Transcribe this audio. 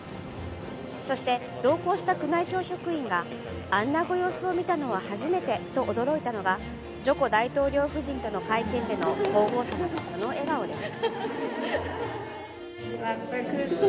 そして、同行した宮内庁職員があんなご様子を見たのは初めてと驚いたのがジョコ大統領夫人との会見での皇后さまのこの笑顔です。